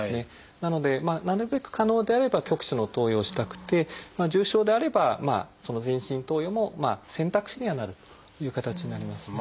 なのでなるべく可能であれば局所の投与をしたくて重症であれば全身投与も選択肢にはなるという形になりますね。